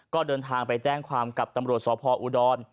ก็เดินทางไปแจ้งความกับตำรวจสพออุดร